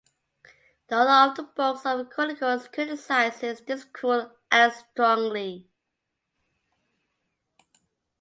The author of the Books of Chronicles criticizes this cruel act strongly.